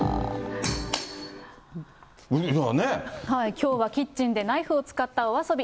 きょうはキッチンでナイフを使ったお遊び。